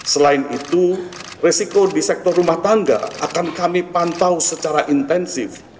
selain itu resiko di sektor rumah tangga akan kami pantau secara intensif